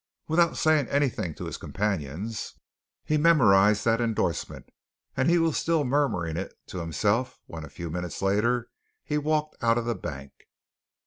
Without saying anything to his companions, he memorized that endorsement, and he was still murmuring it to himself when, a few minutes later, he walked out of the bank.